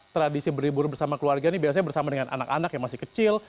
tradisi berlibur bersama keluarga ini biasanya bersama dengan anak anak yang masih kecil